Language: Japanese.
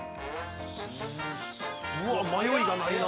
うわ迷いがないな。